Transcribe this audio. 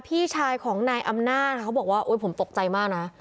พี่ชายของนายอำนาจเขาบอกว่าโอ๊ยผมตกใจมากนะ